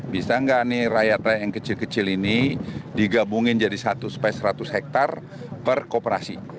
bisa nggak nih rakyat rakyat yang kecil kecil ini digabungin jadi satu seratus hektare per kooperasi